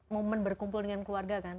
momen berkumpul dengan keluarga kan